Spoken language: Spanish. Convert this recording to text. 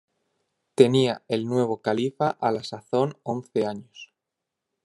Tenía el nuevo califa a la sazón once años.